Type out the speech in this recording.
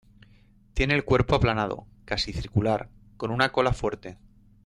Tiene el cuerpo aplanado, casi circular, con una cola fuerte.